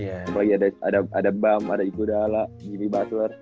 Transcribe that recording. apalagi ada bum iguodala billy butler